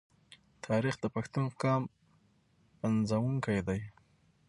تاریخ د پښتون قام پنځونکی دی.